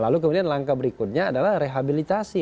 lalu kemudian langkah berikutnya adalah rehabilitasi